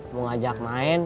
mau ngajak main